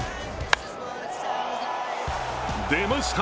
出ました